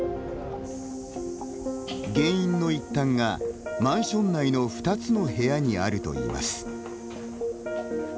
原因の一端が、マンション内の２つの部屋にあるといいます。